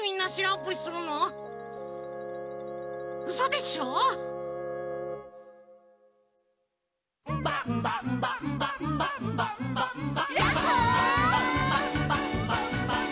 「ンバンバンバンバンバンバンバンバ」「ヤッホー」「」